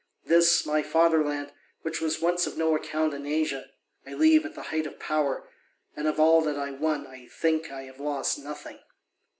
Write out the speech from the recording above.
This my fatherland, which was once of no account in Asia, I leave at the height of power, and of all that I won I think I have lost nothing.